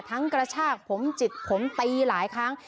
กระชากผมจิกผมตีหลายครั้ง